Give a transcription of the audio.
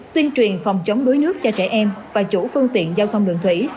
tuyên truyền phòng chống đuối nước cho trẻ em và chủ phương tiện giao thông đường thủy